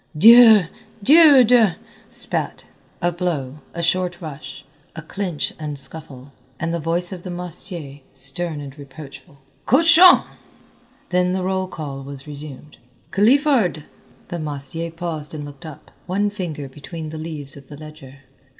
"Dieu de Dieu de " spat! A blow, a short rush, a clinch and scuffle, and the voice of the massier, stern and reproachful: "Cochon!" Then the roll call was resumed. "Clifford!" The massier paused and looked up, one finger between the leaves of the ledger.